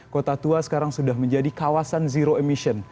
kota tua sekarang sudah menjadi kawasan zero emission